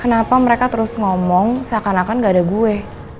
kenapa mereka terus ngomong seakan akan gak ada gue